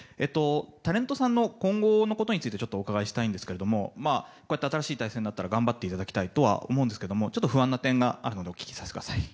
タレントさんの今後のことについてお伺いしたいんですが新しい体制になったら頑張っていただきたいとは思うんですけどちょっと不安な点があるのでお聞かせください。